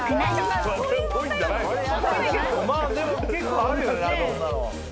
まあでも結構あるよね。